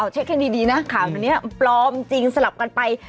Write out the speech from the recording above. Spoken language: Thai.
เช็คให้ดีนะขายังนี่พร้อมจริงสลับกันไป